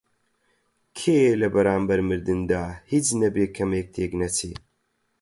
کێیە لە بەرانبەر مردندا هیچ نەبێ کەمێک تێک نەچێ؟